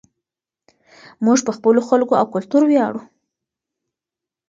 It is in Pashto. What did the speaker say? موږ په خپلو خلکو او کلتور ویاړو.